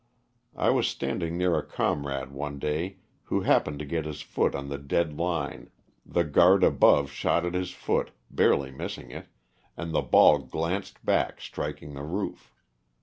I was standing near a comrade one day who hap pened to get his foot on the dead line, the guard above shot at his foot, barely missing it, and the ball glanced back striking the roof.